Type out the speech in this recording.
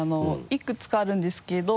いくつかあるんですけど。